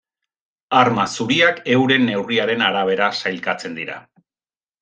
Arma zuriak, euren neurriaren arabera sailkatzen dira.